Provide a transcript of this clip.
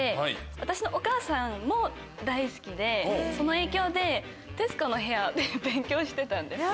私のお母さんも大好きでその影響で『徹子の部屋』で勉強してたんですよ。